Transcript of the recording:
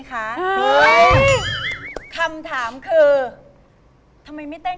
แล้วหลังจากนั้น